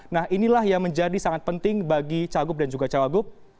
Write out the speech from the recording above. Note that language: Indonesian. nah inilah yang menjadi sangat penting bagi cagup dan juga cawagup